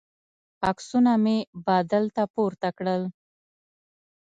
عکسونه مې بادل ته پورته کړل.